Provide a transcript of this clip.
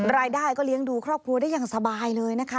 รายได้ก็เลี้ยงดูครอบครัวได้อย่างสบายเลยนะคะ